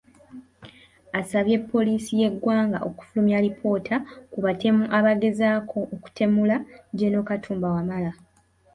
Asabye poliisi y’eggwanga okufulumya alipoota ku batemu abaagezezzaako okutemula Gen. Katumba Wamala